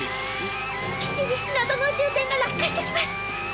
基地に謎の宇宙船が落下してきます！